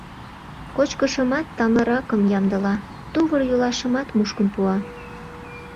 Кочкышымат тамлыракым ямдыла, тувыр-йолашымат мушкын пуа.